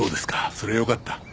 それはよかった。